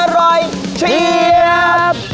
อร่อยเชียบ